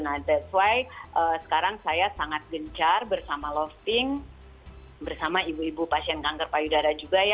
nah that's why sekarang saya sangat gencar bersama lofting bersama ibu ibu pasien kanker payudara juga ya